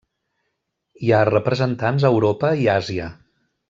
Hi ha representants a Europa i Àsia.